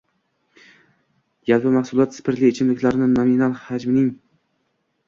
jalpi mahsulot spirtli ichimliklarni nominal haƶmining ўsiş